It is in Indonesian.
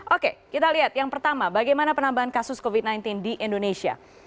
oke kita lihat yang pertama bagaimana penambahan kasus covid sembilan belas di indonesia